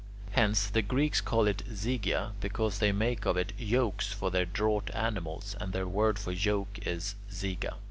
Hence, the Greeks call it "zygia," because they make of it yokes for their draught animals, and their word for yoke is [Greek: zyga].